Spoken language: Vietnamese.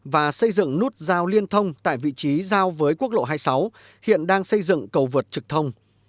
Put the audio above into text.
và xây dựng nút giao liên thông tại vị trí giao với quốc lộ hai mươi sáu hiện đang xây dựng cầu vượt trực thông